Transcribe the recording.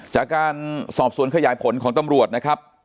จากการสอบสวนขยายผลของตำรวจนะครับ